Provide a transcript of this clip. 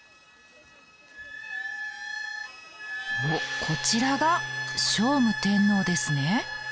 おっこちらが聖武天皇ですね。